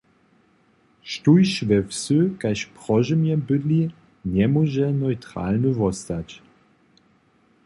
Štóž we wsy kaž Prožymje bydli, njemóže neutralny wostać.